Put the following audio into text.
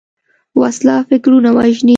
وسله فکرونه وژني